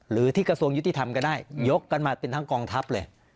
หรือที่กระทรวงยุติธรรมก็ได้ยกกันมาเป็นทั้งกองทัพเลย